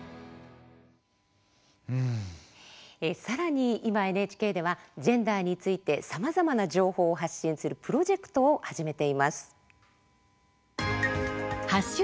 さらに今、ＮＨＫではジェンダーについてさまざまな情報を発信するプロジェクトを始めています。